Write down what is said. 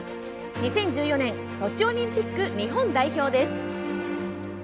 ２０１４年ソチオリンピック日本代表です。